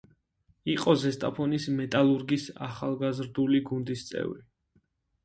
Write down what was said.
იყო ზესტაფონის „მეტალურგის“ ახალგაზრდული გუნდის წევრი.